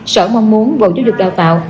sở mong muốn bộ giáo dục đào tạo